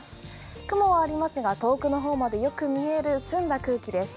雲もありますが遠くの方までよく見える、澄んだ空気です。